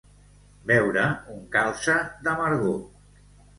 Beure un calze d'amargor.